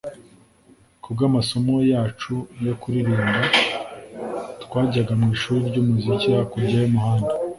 kubwamasomo yacu yo kuririmba, twajyaga mwishuri ryumuziki hakurya y'umuhanda